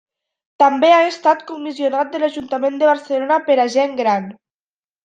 També ha estat comissionat de l'Ajuntament de Barcelona per a gent gran.